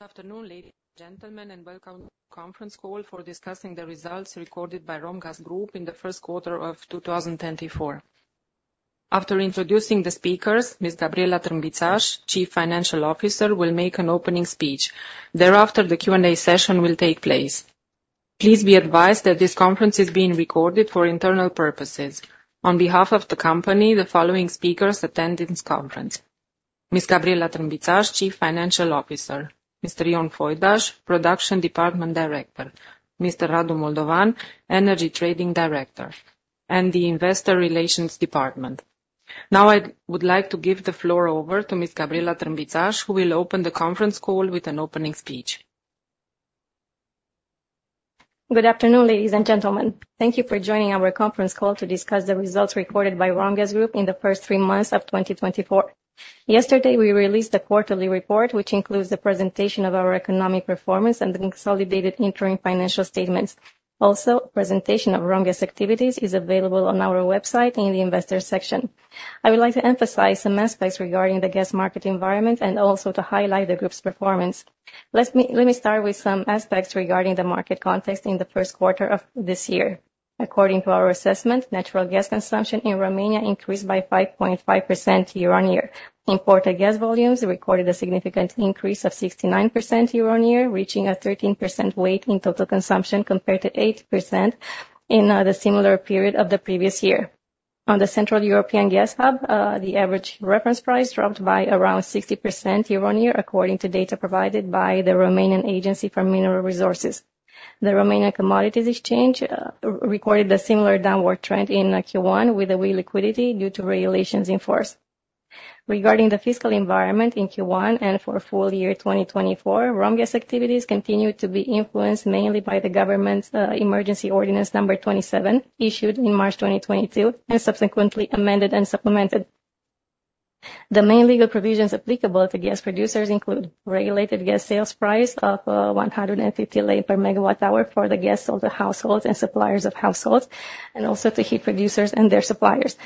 Good afternoon, ladies and gentlemen, and welcome to conference call for discussing the results recorded by Romgaz Group in the first quarter of 2024. After introducing the speakers, Miss Gabriela Trânbițaș, Chief Financial Officer, will make an opening speech. Thereafter, the Q&A session will take place. Please be advised that this conference is being recorded for internal purposes. On behalf of the company, the following speakers attend in this conference: Miss Gabriela Trânbițaș, Chief Financial Officer, Mr. John Foidas, Production Department Director, Mr. Radu Moldovan, Energy Trading Director, and the Investor Relations Department. Now, I would like to give the floor over to Miss Gabriela Trânbițaș, who will open the conference call with an opening speech. Good afternoon, ladies and gentlemen. Thank you for joining our conference call to discuss the results recorded by Romgaz Group in the first three months of 2024. Yesterday, we released a quarterly report, which includes the presentation of our economic performance and the consolidated interim financial statements. Also, presentation of Romgaz activities is available on our website in the investor section. I would like to emphasize some aspects regarding the gas market environment and also to highlight the group's performance. Let me start with some aspects regarding the market context in the first quarter of this year. According to our assessment, natural gas consumption in Romania increased by 5.5% year-on-year. Imported gas volumes recorded a significant increase of 69% year-on-year, reaching a 13% weight in total consumption, compared to 8% in the similar period of the previous year. On the Central European Gas Hub, the average reference price dropped by around 60% year-on-year, according to data provided by the Romanian Agency for Mineral Resources. The Romanian Commodities Exchange recorded a similar downward trend in Q1, with a weak liquidity due to regulations in force. Regarding the fiscal environment in Q1 and for full year 2024, Romgaz activities continued to be influenced mainly by the government's emergency ordinance number 27, i ssued in March 2022, and subsequently amended and supplemented. The main legal provisions applicable to gas producers include regulated gas sales price of RON 150 per megawatt hour for the gas of the households and suppliers of households, and also to heat producers and their suppliers,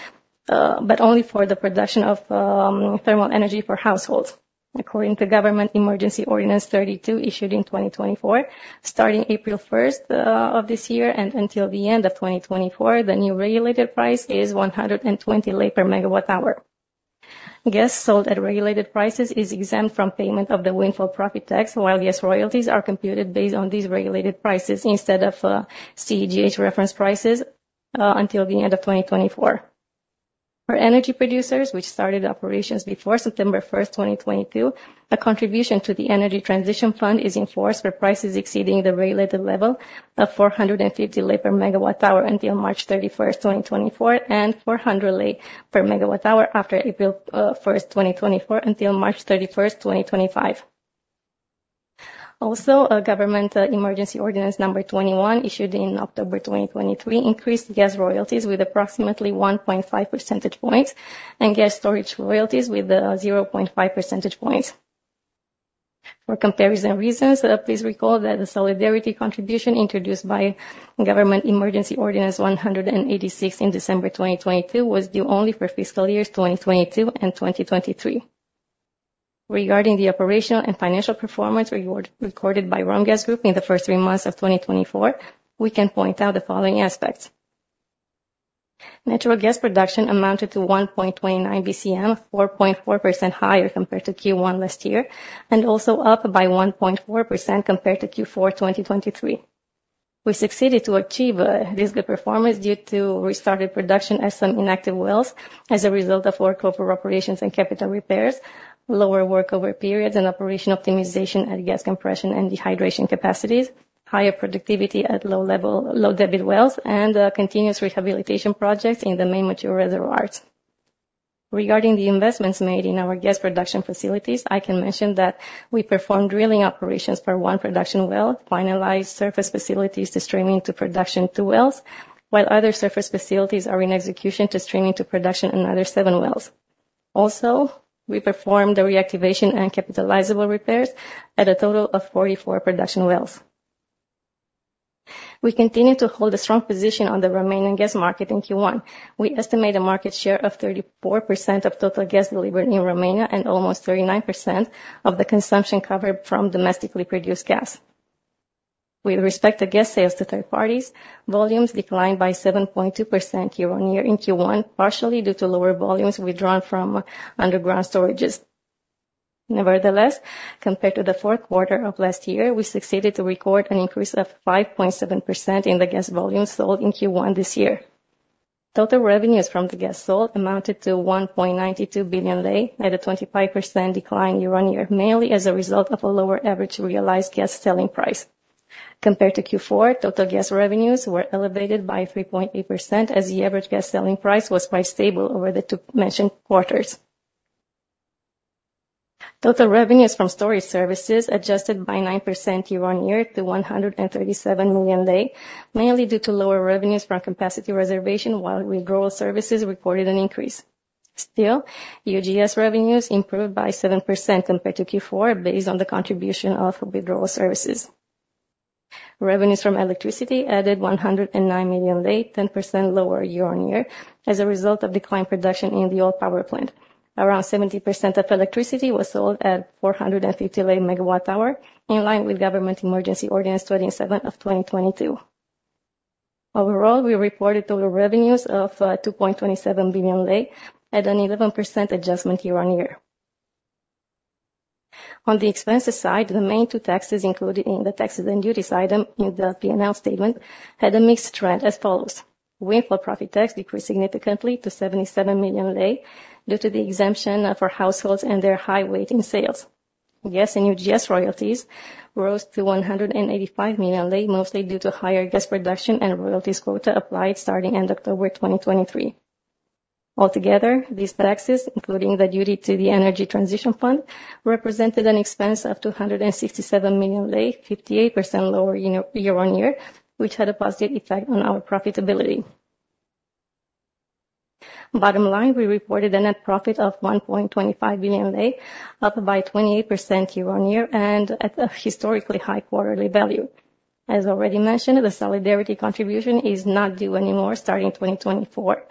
but only for the production of thermal energy for households. According to Government Emergency Ordinance 32, issued in 2024, starting April 1st of this year and until the end of 2024, the new regulated price is 120 RON per megawatt hour. Gas sold at regulated prices is exempt from payment of the windfall profit tax, while gas royalties are computed based on these regulated prices instead of CEGH reference prices until the end of 2024. For energy producers, which started operations before September 1st, 2022, a contribution to the Energy Transition Fund is in force, where price is exceeding the regulated level of 450 RON per megawatt hour until March 31, 2024, and 400 RON per megawatt hour after April 1st, 2024, until March 31, 2025. Also, a government emergency ordinance number 21, issued in October 2023, increased gas royalties with approximately 1.5 percentage points and gas storage royalties with 0.5 percentage points. For comparison reasons, please recall that the solidarity contribution introduced by Government Emergency Ordinance 186 in December 2022, was due only for fiscal years 2022 and 2023. Regarding the operational and financial performance record by Romgaz Group in the first three months of 2024, we can point out the following aspects: Natural gas production amounted to 1.29 BCM, 4.4 higher compared to Q1 last year, and also up by 1.4% compared to Q4 2023. We succeeded to achieve this good performance due to restarted production at some inactive wells as a result of our corporate operations and capital repairs, lower workover periods and operation optimization at gas compression and dehydration capacities, higher productivity at low level- low debit wells, and continuous rehabilitation projects in the main mature reservoirs. Regarding the investments made in our gas production facilities, I can mention that we performed drilling operations for 1 production well, finalized surface facilities to stream into production 2 wells, while other surface facilities are in execution to stream into production another wells wells. Also, we performed the reactivation and capitalizable repairs at a total of 44 production wells. We continue to hold a strong position on the Romanian gas market in Q1. We estimate a market share of 34% of total gas delivered in Romania, and almost 39% of the consumption covered from domestically produced gas. With respect to gas sales to third parties, volumes declined by 7.2% year-on-year in Q1, partially due to lower volumes withdrawn from underground storages. Nevertheless, compared to the fourth quarter of last year, we succeeded to record an increase of 5.7% in the gas volume sold in Q1 this year. Total revenues from the gas sold amounted to RON 1.92 billion, at a 25% decline year-on-year, mainly as a result of a lower average realized gas selling price. Compared to Q4, total gas revenues were elevated by 3.8%, as the average gas selling price was quite stable over the two mentioned quarters. Total revenues from storage services adjusted by 9% year-on-year to RON 137 million, mainly due to lower revenues from capacity reservation, while withdrawal services reported an increase. Still, UGS revenues improved by 7% compared to Q4, based on the contribution of withdrawal services. Revenues from electricity added RON 109 million, 10% lower year-on-year, as a result of declined production in the old power plant. Around 70% of electricity was sold at 450 RON/MWh, in line with Government Emergency Ordinance 27 of 2022. Overall, we reported total revenues of RON 2.27 billion, at an 11% adjustment year-on-year. On the expenses side, the main two taxes included in the taxes and duties item in the P&L statement had a mixed trend as follows: windfall profit tax decreased significantly to RON 77 million due to the exemption for households and their high weight in sales. Gas and UGS royalties rose to RON 185 million, mostly due to higher gas production and royalties quota applied starting end October 2023. Altogether, these taxes, including the duty to the energy transition fund, represented an expense of RON 267 million, 58% lower year-on-year, which had a positive effect on our profitability. Bottom line, we reported a net profit of RON 1.25 billion, up by 28% year-on-year, and at a historically high quarterly value. As already mentioned, the solidarity contribution is not due anymore starting 2024,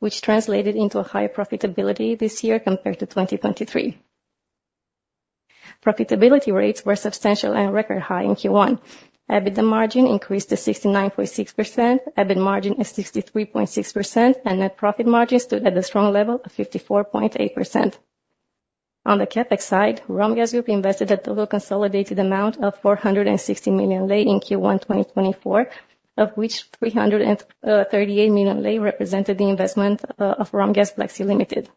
which translated into a higher profitability this year compared to 2023. Profitability rates were substantial and record high in Q1. EBITDA margin increased to 69.6%, EBIT margin is 63.6%, and net profit margin stood at a strong level of 54.8%. On the CapEx side, Romgaz Group invested a total consolidated amount of RON 460 million in Q1 2024, of which RON 338 million represented the investment of Romgaz Black Sea Limited.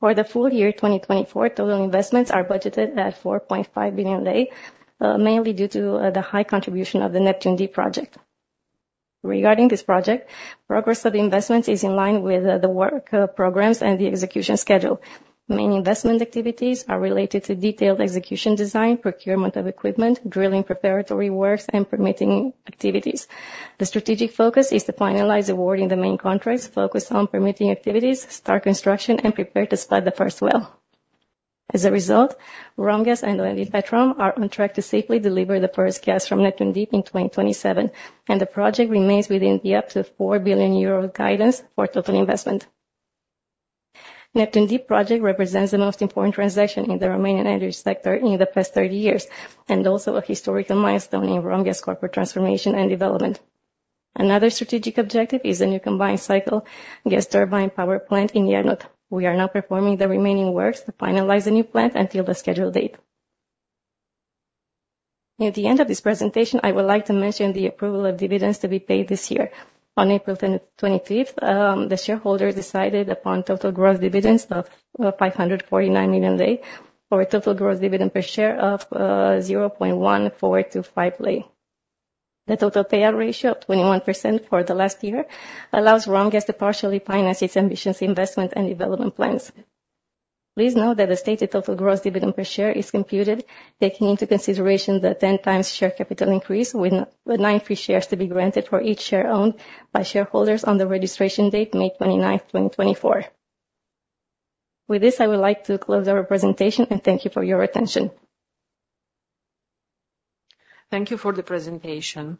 For the full year 2024, total investments are budgeted at RON 4.5 billion, mainly due to the high contribution of the Neptun Deep project. Regarding this project, progress of the investment is in line with the work programs and the execution schedule. Main investment activities are related to detailed execution design, procurement of equipment, drilling preparatory works, and permitting activities. The strategic focus is to finalize awarding the main contracts, focus on permitting activities, start construction, and prepare to spot the first well. As a result, ROMGAZ and OMV Petrom are on track to safely deliver the first gas from Neptun Deep in 2027, and the project remains within the up to 4 billion euro guidance for total investment. Neptun Deep project represents the most important transaction in the Romanian energy sector in the past 30 years, and also a historical milestone in ROMGAZ corporate transformation and development. Another strategic objective is the new combined cycle gas turbine power plant in Iernut. We are now performing the remaining works to finalize the new plant until the scheduled date. Near the end of this presentation, I would like to mention the approval of dividends to be paid this year. On April 25th, the shareholders decided upon total gross dividends of RON 549 million, or a total gross dividend per share of 0.1425 RON. The total payout ratio of 21% for the last year allows Romgaz to partially finance its ambitious investment and development plans. Please note that the stated total gross dividend per share is computed taking into consideration the 10x share capital increase, with nine free shares to be granted for each share owned by shareholders on the registration date, May 29th, 2024. With this, I would like to close our presentation, and thank you for your attention. Thank you for the presentation.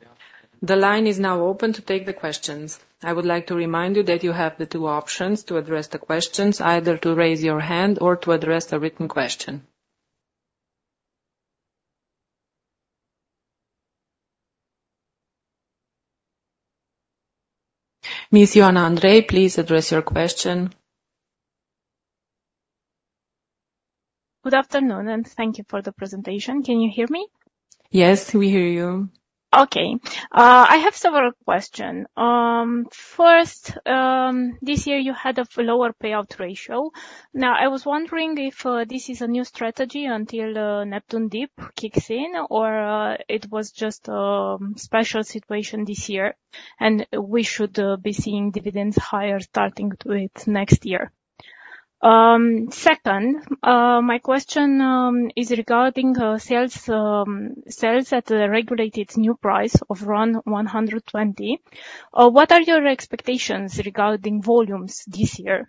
The line is now open to take the questions. I would like to remind you that you have the two options to address the questions, either to raise your hand or to address a written question. Ms. Ioana Andrei, please address your question. Good afternoon, and thank you for the presentation. Can you hear me? Yes, we hear you. Okay. I have several questions. First, this year you had a lower payout ratio. Now, I was wondering if this is a new strategy until Neptun Deep kicks in, or it was just special situation this year and we should be seeing dividends higher starting with next year? Second, my question is regarding sales, sales at a regulated new price of around RON 120. What are your expectations regarding volumes this year?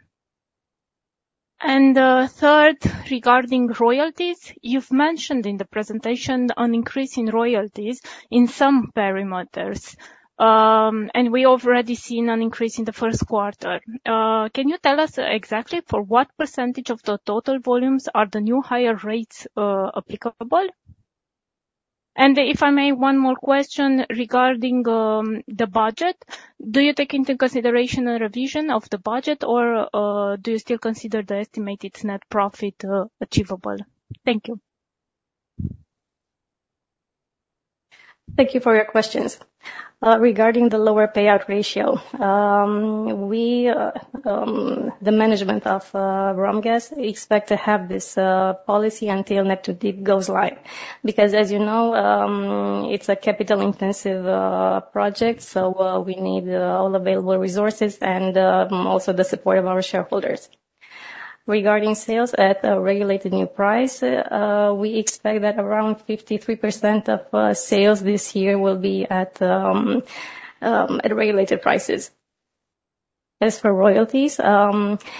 And, third, regarding royalties, you've mentioned in the presentation an increase in royalties in some perimeters, and we already seen an increase in the first quarter. Can you tell us exactly for what percentage of the total volumes are the new higher rates applicable? And if I may, one more question regarding the budget. Do you take into consideration a revision of the budget, or do you still consider the estimated net profit achievable? Thank you. Thank you for your questions. Regarding the lower payout ratio, we, the management of ROMGAZ, expect to have this policy until Neptun Deep goes live. Because as you know, it's a capital-intensive project, so we need all available resources and also the support of our shareholders. Regarding sales at a regulated new price, we expect that around 53% of sales this year will be at regulated prices. As for royalties, the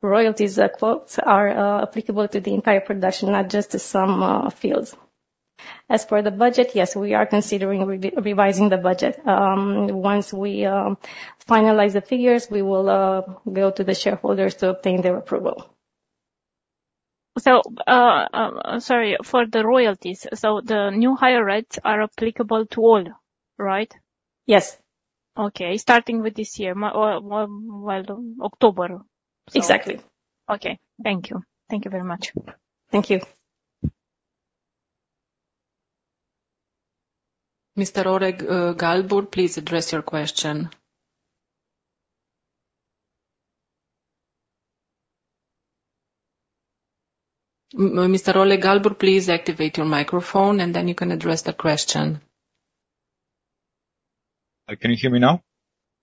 royalties quotas are applicable to the entire production, not just to some fields. As for the budget, yes, we are considering revising the budget. Once we finalize the figures, we will go to the shareholders to obtain their approval. Sorry, for the royalties, so the new higher rates are applicable to all, right? Yes. Okay. Starting with this year, well, October. Exactly. Okay. Thank you. Thank you very much. Thank you. Mr. Oleg Galbur, please address your question. Mr. Oleg Galbur, please activate your microphone, and then you can address the question. Can you hear me now?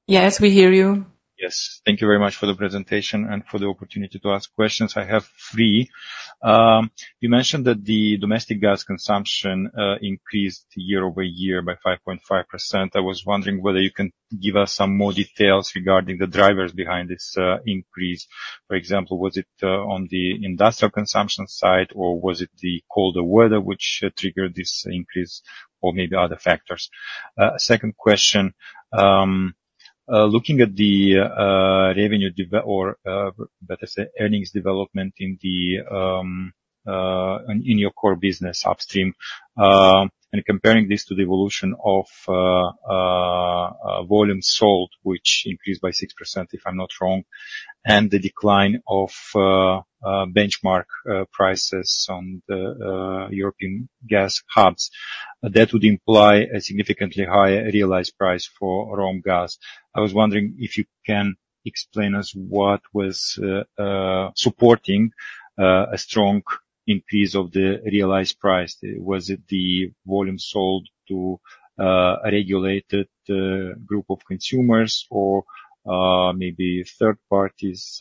Yes, we hear you. Yes. Thank you very much for the presentation and for the opportunity to ask questions. I have three. You mentioned that the domestic gas consumption increased year-over-year by 5.5%. I was wondering whether you can give us some more details regarding the drivers behind this increase. For example, was it on the industrial consumption side, or was it the colder weather which triggered this increase, or maybe other factors? Second question, looking at the revenue devel- or, better say, earnings development in your core business upstream, and comparing this to the evolution of volume sold, which increased by 6%, if I'm not wrong, and the decline of benchmark prices on the European gas hubs. That would imply a significantly higher realized price for Romgaz. I was wondering if you can explain us what was supporting a strong increase of the realized price. Was it the volume sold to a regulated group of consumers or maybe third parties'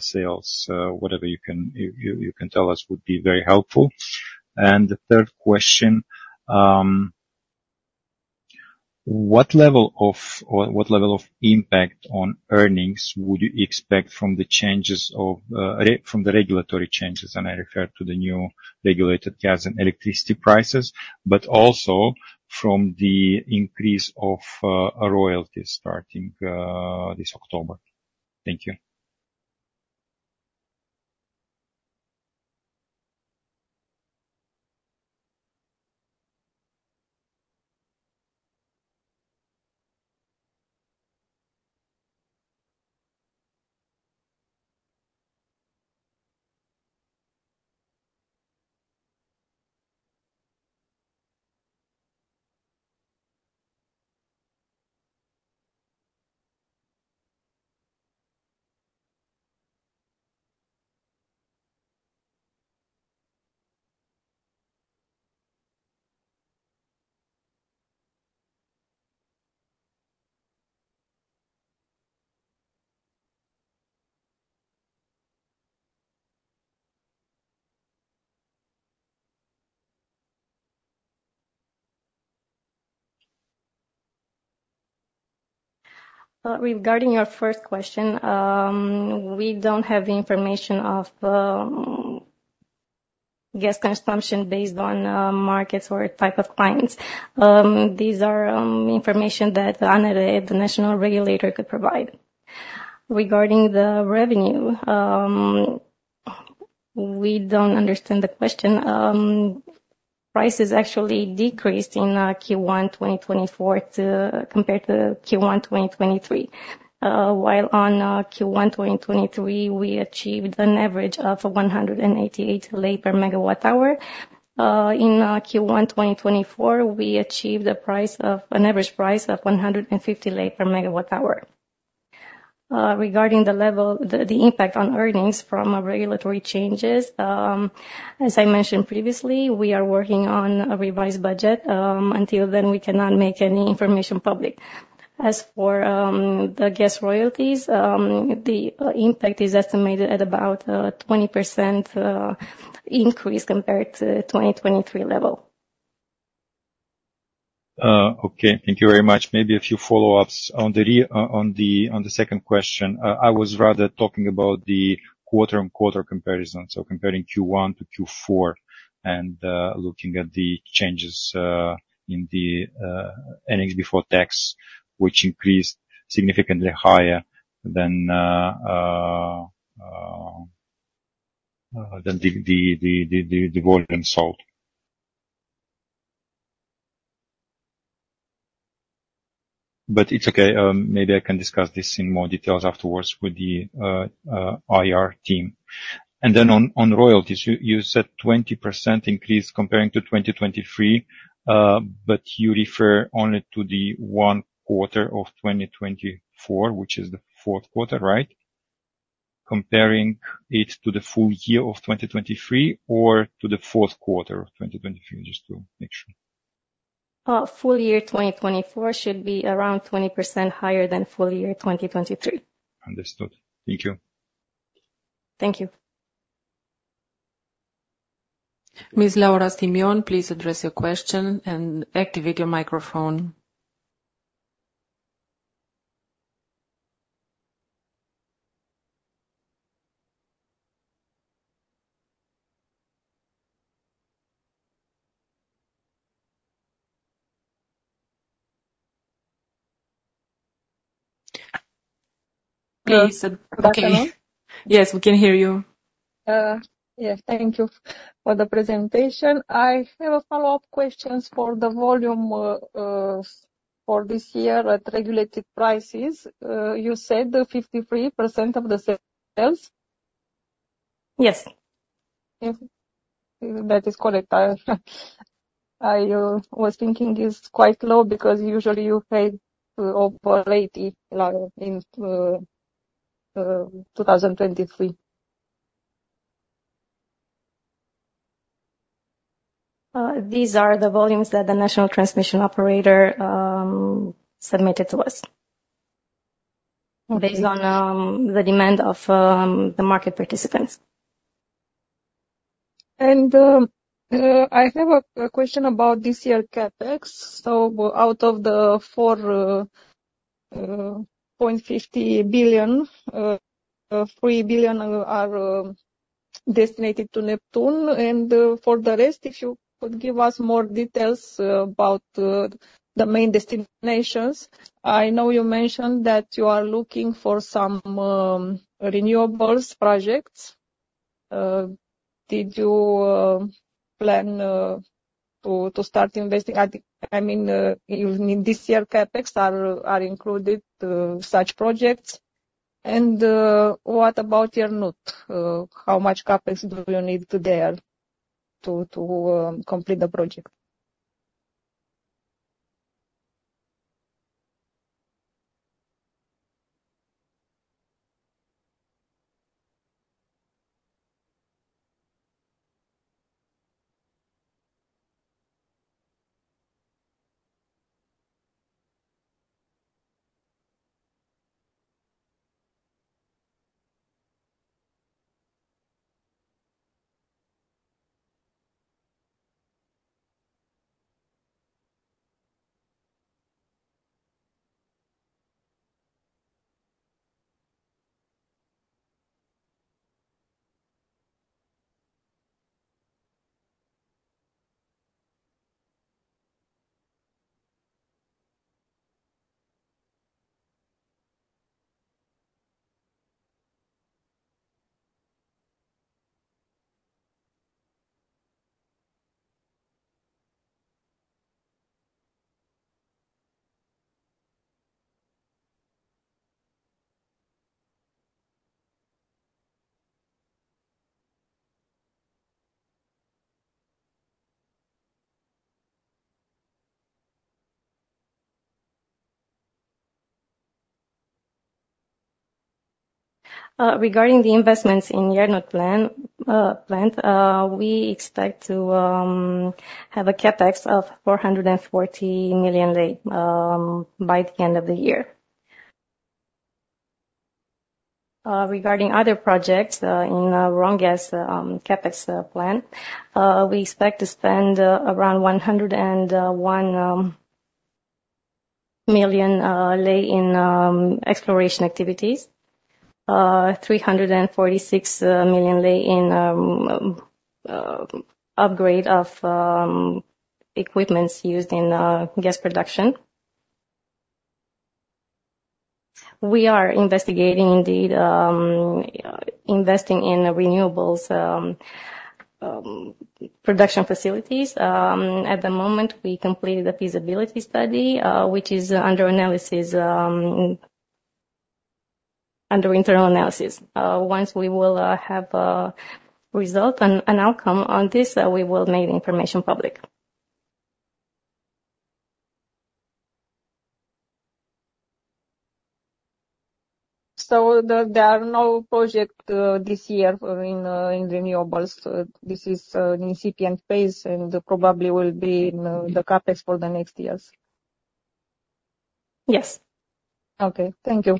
sales? Whatever you can tell us would be very helpful. And the third question, what level of impact on earnings would you expect from the regulatory changes, and I refer to the new regulated gas and electricity prices, but also from the increase of a royalty starting this October? Thank you. Regarding your first question, we don't have the information of gas consumption based on markets or type of clients. These are information that ANRE, the national regulator, could provide. Regarding the revenue, we don't understand the question. Prices actually decreased in Q1 2024 compared to Q1 2023. While on Q1 2023, we achieved an average of RON 188 per megawatt hour. In Q1 2024, we achieved an average price of RON 150 per megawatt hour. Regarding the level, the impact on earnings from regulatory changes, as I mentioned previously, we are working on a revised budget, until then, we cannot make any information public. As for the gas royalties, the impact is estimated at about 20% increase compared to 2023 level. Okay. Thank you very much. Maybe a few follow-ups. On the second question, I was rather talking about the quarter-on-quarter comparison, so comparing Q1 to Q4, and looking at the changes in the earnings before tax, which increased significantly higher than the volume sold. But it's okay. Maybe I can discuss this in more details afterwards with the IR team. Then on royalties, you said 20% increase comparing to 2023, but you refer only to the one quarter of 2024, which is the fourth quarter, right? Comparing it to the full year of 2023 or to the fourth quarter of 2023, just to make sure. Full year 2024 should be around 20% higher than full year 2023. Understood. Thank you. Thank you. Ms. Laura Simion, please address your question and activate your microphone. Please, Hello? Yes, we can hear you. Yes, thank you for the presentation. I have a follow-up questions for the volume, for this year at regulated prices. You said 53% of the sales? Yes. If that is correct, I was thinking it's quite low because usually you pay over 80 in 2023. These are the volumes that the National Transmission Operator submitted to us- Okay - based on the demand of the market participants. I have a question about this year's CapEx. Out of the RON 4.50 billion, RON 3 billion are designated to Neptun. For the rest, if you could give us more details about the main destinations. I know you mentioned that you are looking for some renewables projects. Did you plan to start investing? I think... I mean, in this year, CapEx are included such projects? What about your Neptun? How much CapEx do you need today to complete the project? Regarding the investments in Iernut plant, we expect to have a CapEx of RON 440 million by the end of the year. Regarding other projects in ROMGAZ CapEx plan, we expect to spend around RON 101 million in exploration activities, RON 346 million in upgrade of equipments used in gas production. We are investigating indeed investing in renewables production facilities. At the moment, we completed a feasibility study which is under analysis under internal analysis. Once we will have a result and an outcome on this, we will make the information public. So there, there are no project this year in, in renewables? This is incipient phase and probably will be in the CapEx for the next years. Yes. Okay. Thank you.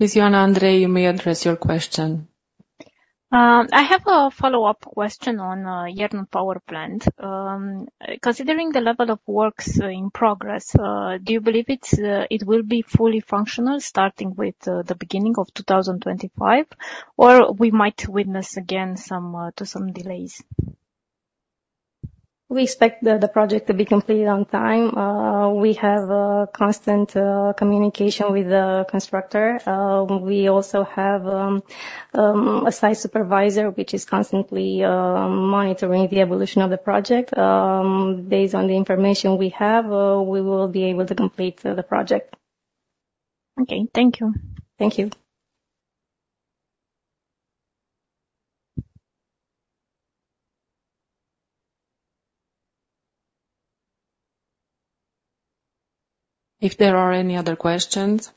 Ms. Ioana Andrei, you may address your question. I have a follow-up question on Iernut power plant. Considering the level of works in progress, do you believe it will be fully functional starting with the beginning of 2025, or we might witness again some delays? We expect the project to be completed on time. We have constant communication with the constructor. We also have a site supervisor, which is constantly monitoring the evolution of the project. Based on the information we have, we will be able to complete the project. Okay. Thank you. Thank you. ... If there are any other questions?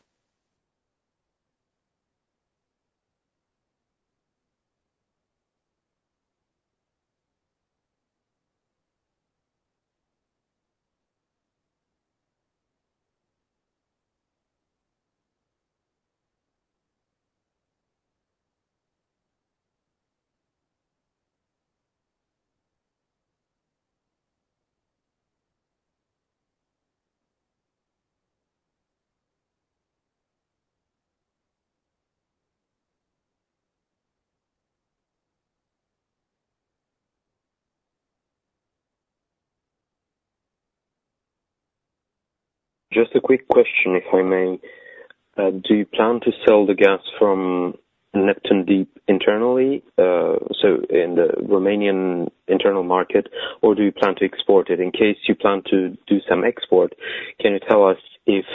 Just a quick question, if I may. Do you plan to sell the gas from Neptun Deep internally, so in the Romanian internal market, or do you plan to export it? In case you plan to do some export, can you tell us if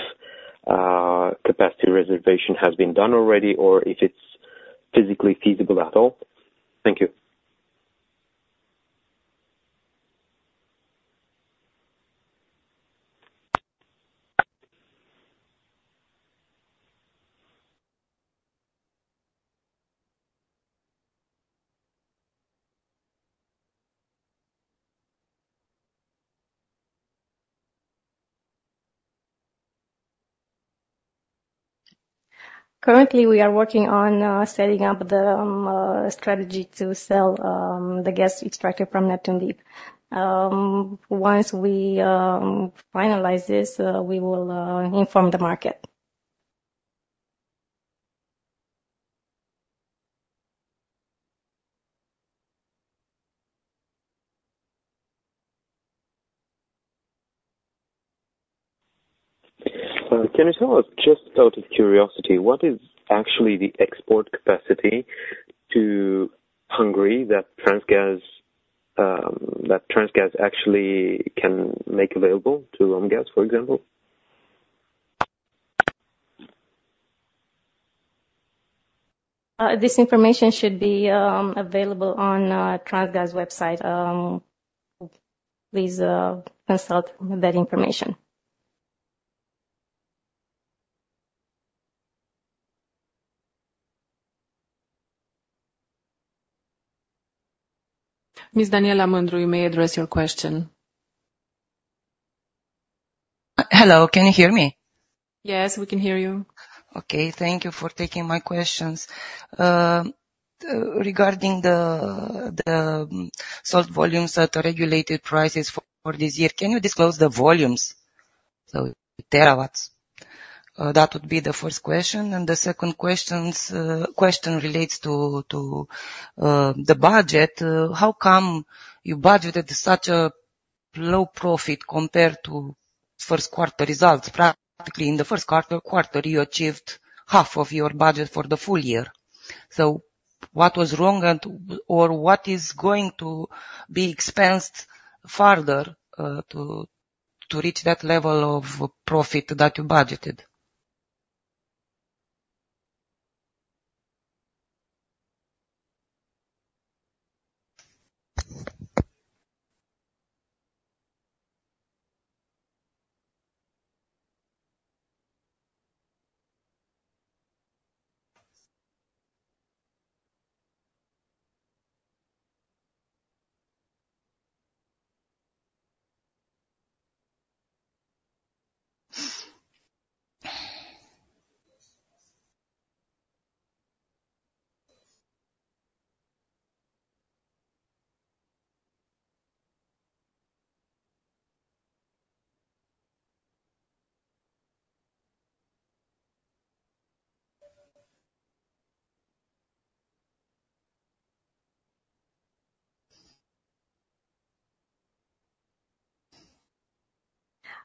capacity reservation has been done already or if it's physically feasible at all? Thank you. Currently, we are working on setting up the strategy to sell the gas extracted from Neptun Deep. Once we finalize this, we will inform the market. Can you tell us, just out of curiosity, what is actually the export capacity to Hungary that Transgaz actually can make available to Romgaz, for example? This information should be available on Transgaz website. Please consult that information. Miss Daniela Mândru, you may address your question. Hello, can you hear me? Yes, we can hear you. Okay. Thank you for taking my questions. Regarding the sold volumes at the regulated prices for this year, can you disclose the volumes, so terawatts? That would be the first question. And the second question relates to the budget. How come you budgeted such a low profit compared to first quarter results? Practically, in the first quarter, you achieved half of your budget for the full year. So what was wrong and or what is going to be expensed further to reach that level of profit that you budgeted?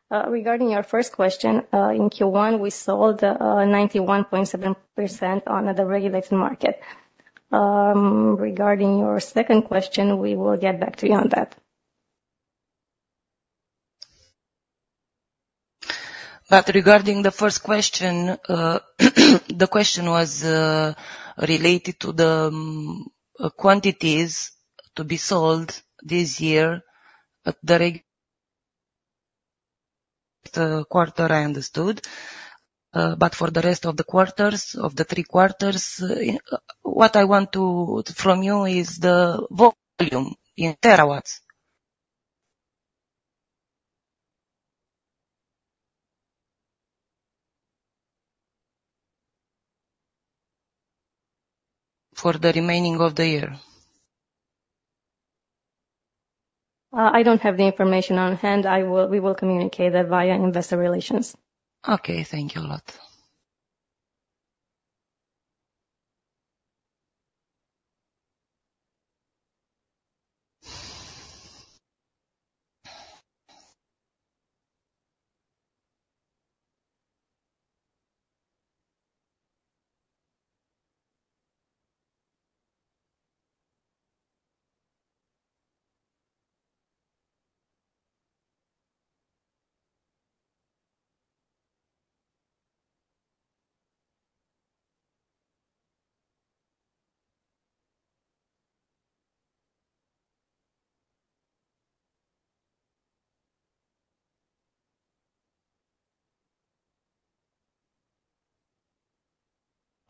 Regarding your first question, in Q1, we sold 91.7% on the regulated market. Regarding your second question, we will get back to you on that. Regarding the first question, the question was related to the quantities to be sold this year at the quarter, I understood. But for the rest of the quarters, of the three quarters, what I want from you is the volume in terawatts. For the remaining of the year. I don't have the information on hand. We will communicate that via investor relations. Okay, thank you a lot.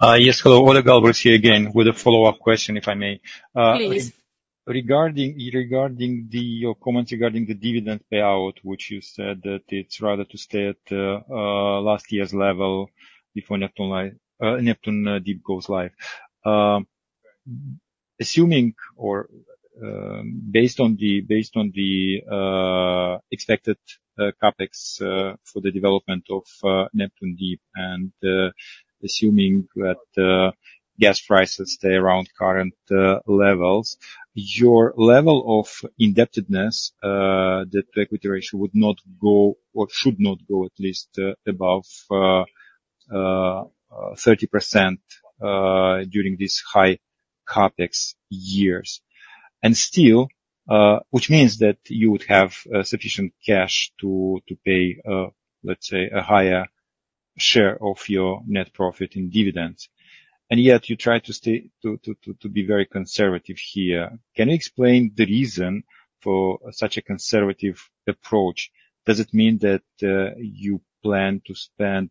Yes, hello. Oleg Galbur here again with a follow-up question, if I may. Please. Regarding your comments regarding the dividend payout, which you said that it's rather to stay at last year's level before Neptun Deep goes live. Assuming or based on the expected CapEx for the development of Neptun Deep, and assuming that gas prices stay around current levels, your level of indebtedness, the debt equity ratio would not go or should not go at least above 30% during this high CapEx years. And still, which means that you would have sufficient cash to pay, let's say, a higher share of your net profit in dividends, and yet you try to stay to be very conservative here. Can you explain the reason for such a conservative approach? Does it mean that you plan to spend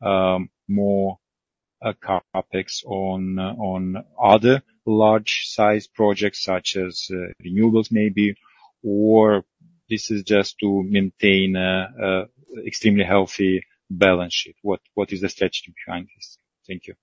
more CapEx on other large-sized projects such as renewables maybe, or this is just to maintain an extremely healthy balance sheet? What is the strategy behind this? Thank you.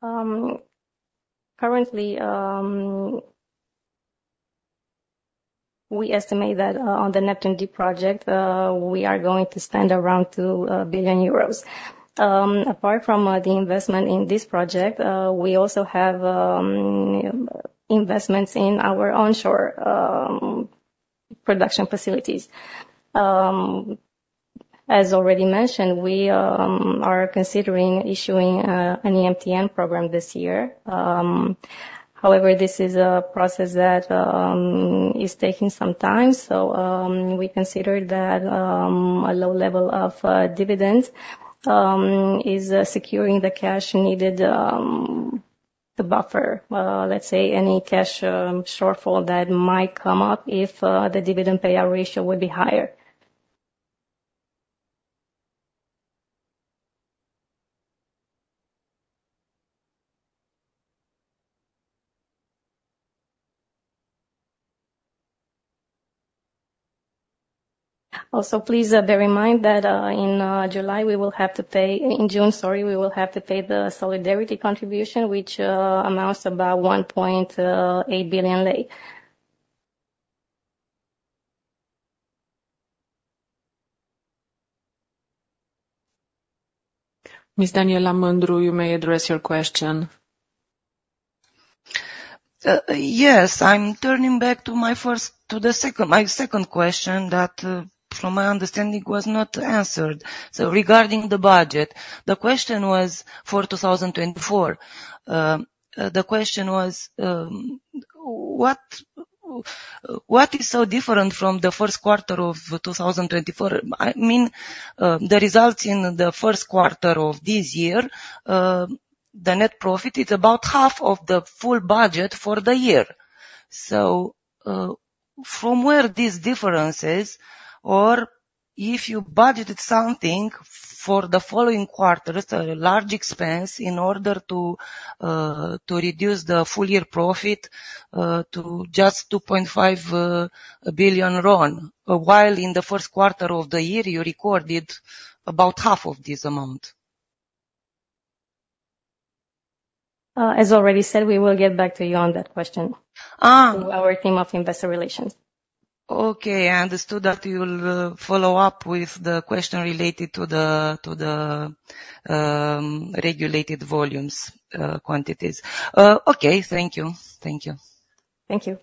Currently, we estimate that on the Neptun Deep project, we are going to spend around 2 billion euros. Apart from the investment in this project, we also have investments in our onshore production facilities. As already mentioned, we are considering issuing an EMTN program this year. However, this is a process that is taking some time, so we consider that a low level of dividends is securing the cash needed to buffer, let's say, any cash shortfall that might come up if the dividend payout ratio would be higher. Also, please bear in mind that in July, we will have to pay... In June, sorry, we will have to pay the solidarity contribution, which amounts to about RON 1.8 billion. Miss Daniela Mandru, you may address your question. Yes, I'm turning back to my first, to the second, my second question that, from my understanding, was not answered. So regarding the budget, the question was for 2024. The question was, what is so different from the first quarter of 2024? I mean, the results in the first quarter of this year, the net profit is about half of the full budget for the year. So, from where this difference is, or if you budgeted something for the following quarters, a large expense, in order to, to reduce the full year profit, to just RON 2.5 billion, while in the first quarter of the year, you recorded about half of this amount. As already said, we will get back to you on that question. Ah. Through our team of investor relations. Okay, I understood that you'll follow up with the question related to the regulated volumes, quantities. Okay. Thank you. Thank you. Thank you. ...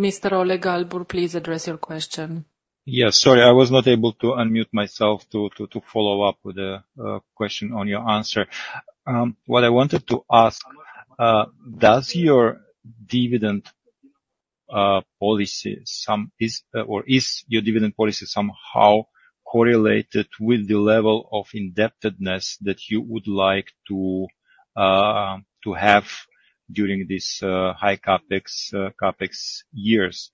Mr. Oleg Galbur, please address your question. Yes, sorry, I was not able to unmute myself to follow up with a question on your answer. What I wanted to ask, does your dividend policy somehow correlated with the level of indebtedness that you would like to have during this high CapEx years?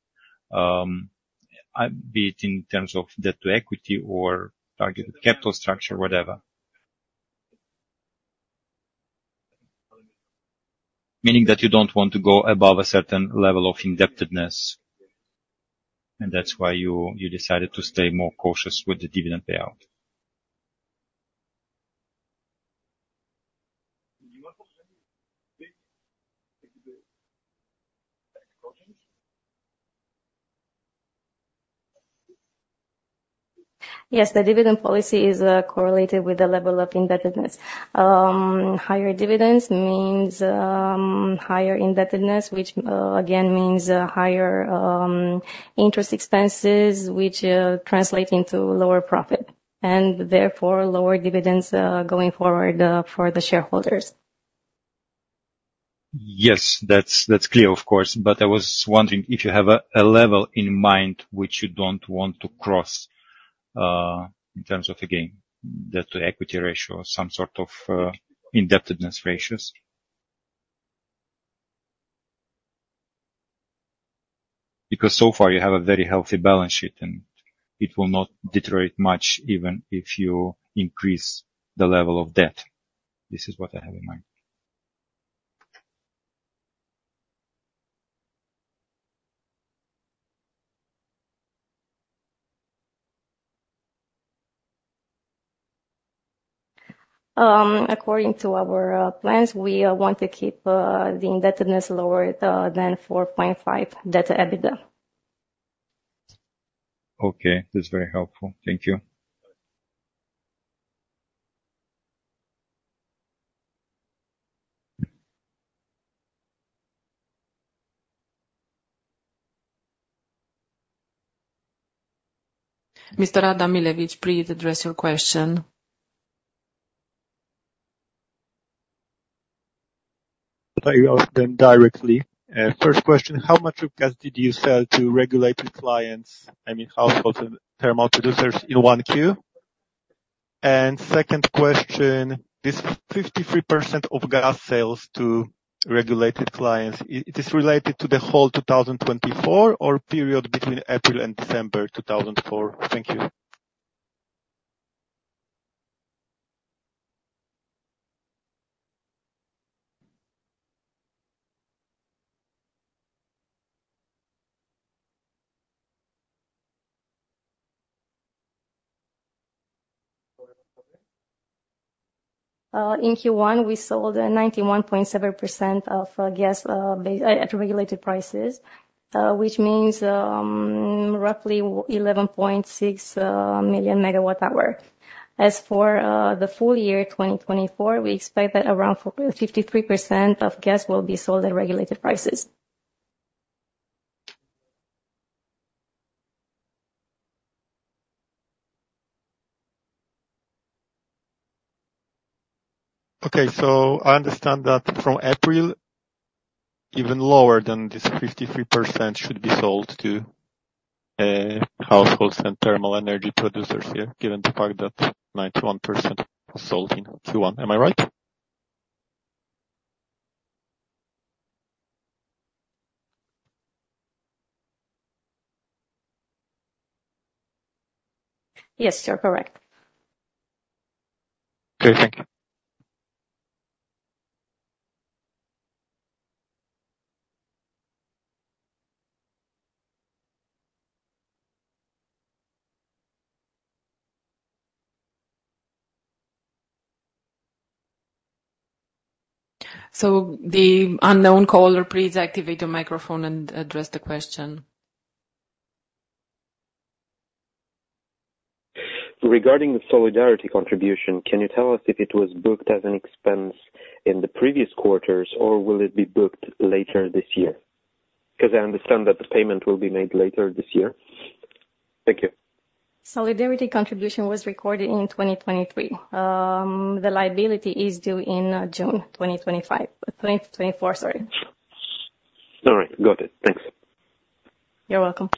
Be it in terms of debt to equity or target capital structure, whatever. Meaning that you don't want to go above a certain level of indebtedness, and that's why you decided to stay more cautious with the dividend payout. Yes, the dividend policy is correlated with the level of indebtedness. Higher dividends means higher indebtedness, which again means higher interest expenses, which translate into lower profit, and therefore, lower dividends going forward for the shareholders. Yes, that's, that's clear, of course, but I was wondering if you have a, a level in mind which you don't want to cross, in terms of, again, debt-to-equity ratio or some sort of, indebtedness ratios. Because so far you have a very healthy balance sheet, and it will not deteriorate much even if you increase the level of debt. This is what I have in mind. According to our plans, we want to keep the indebtedness lower than 4.5 debt to EBITDA. Okay, that's very helpful. Thank you. Mr. Adam Milewicz, please address your question. I ask them directly. First question: How much of gas did you sell to regulated clients, I mean, households and thermal producers, in 1Q? And second question: This 53% of gas sales to regulated clients, is this related to the whole 2024, or period between April and December 2004? Thank you. In Q1, we sold 91.7% of gas at regulated prices, which means roughly 11.6 million megawatt hours. As for the full year 2024, we expect that around 53% of gas will be sold at regulated prices. Okay, so I understand that from April, even lower than this 53% should be sold to households and thermal energy producers here, given the fact that 91% was sold in Q1. Am I right? Yes, you are correct. Okay, thank you. The unknown caller, please activate your microphone and address the question. Regarding the Solidarity Contribution, can you tell us if it was booked as an expense in the previous quarters, or will it be booked later this year? Because I understand that the payment will be made later this year. Thank you. Solidarity Contribution was recorded in 2023. The liability is due in June 2025... 2024, sorry. All right. Got it. Thanks. You're welcome.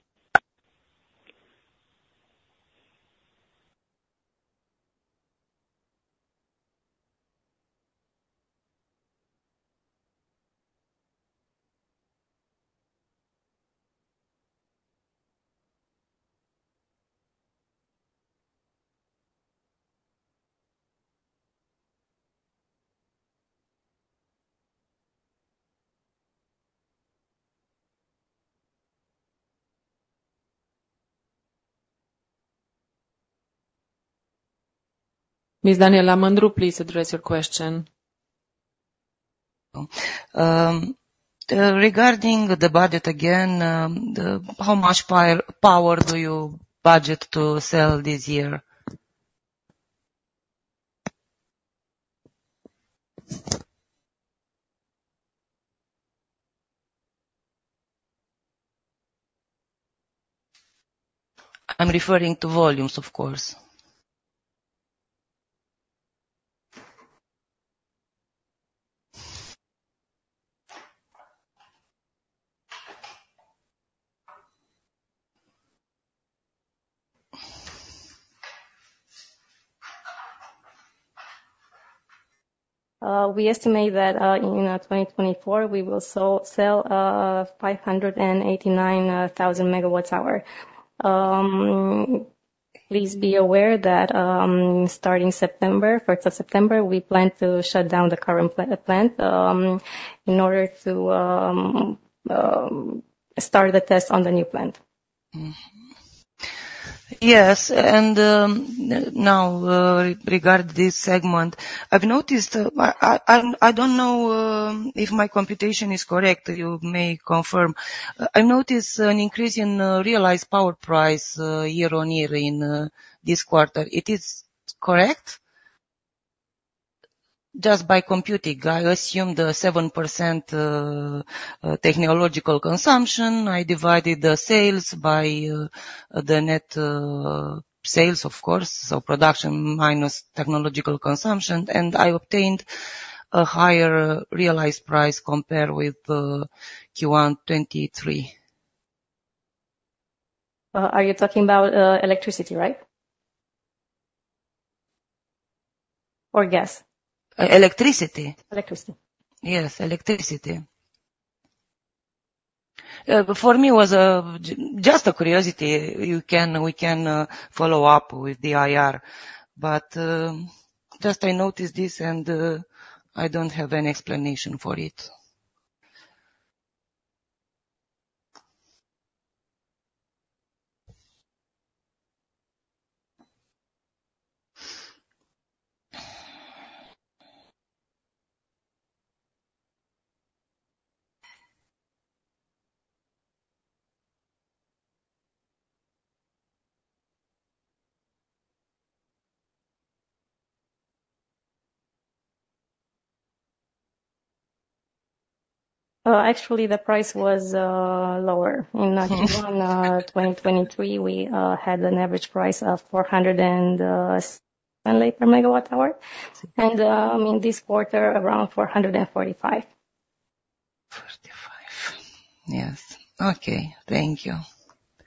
Miss Daniela Mandru, please address your question. Regarding the budget again, how much power do you budget to sell this year?... I'm referring to volumes, of course. We estimate that in 2024 we will sell 589,000 megawatt hours. Please be aware that starting September 1 we plan to shut down the current plant in order to start the test on the new plant. Mm-hmm. Yes, and, now, regarding this segment, I've noticed, I don't know, if my computation is correct, you may confirm. I've noticed an increase in realized power price year-on-year in this quarter. It is correct? Just by computing, I assumed a 7% technological consumption. I divided the sales by the net sales, of course, so production minus technological consumption, and I obtained a higher realized price compared with Q1 2023. Are you talking about electricity, right? Or gas? Electricity. Electricity. Yes, electricity. For me, it was just a curiosity. You can, we can, follow up with the IR. But, just I noticed this, and I don't have an explanation for it. Actually, the price was lower. Okay. In 2023, we had an average price of 400 per MWh, and in this quarter, around 445. 45. Yes. Okay, thank you.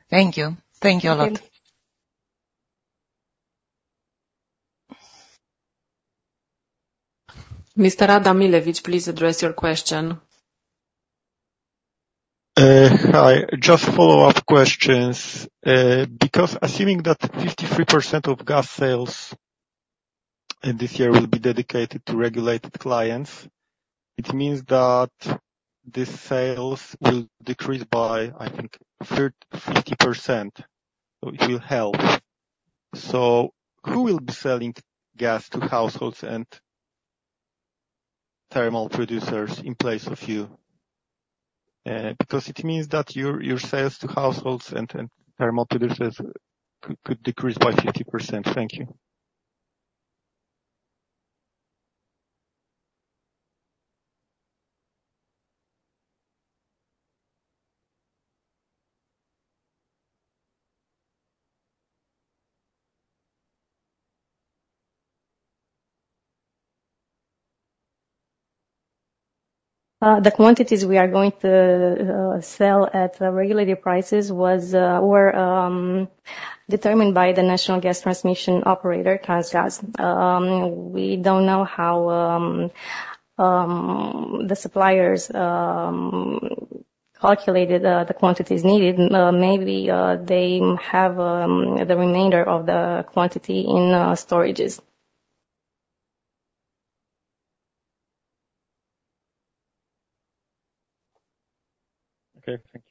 Thank you. Thank you a lot. Mr. Adam Milewicz, please address your question. Hi, just follow-up questions. Because assuming that 53% of gas sales in this year will be dedicated to regulated clients, it means that these sales will decrease by, I think, 50%, which will help. So who will be selling gas to households and thermal producers in place of you? Because it means that your sales to households and thermal producers could decrease by 50%. Thank you. The quantities we are going to sell at regulated prices were determined by the National Gas Transmission operator, Transgaz. We don't know how the suppliers calculated the quantities needed. Maybe they have the remainder of the quantity in storages. Okay, thank you.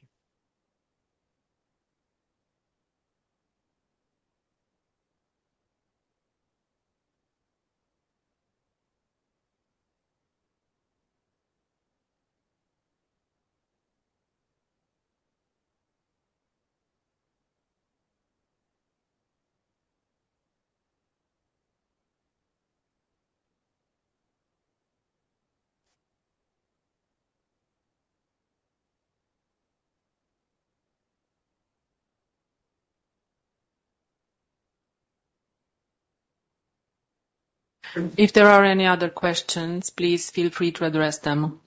If there are any other questions, please feel free to address them.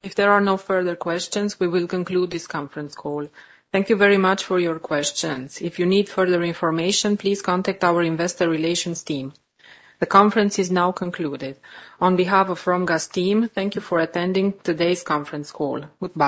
If there are no further questions, we will conclude this conference call. Thank you very much for your questions. If you need further information, please contact our investor relations team. The conference is now concluded. On behalf of ROMGAZ team, thank you for attending today's conference call. Goodbye.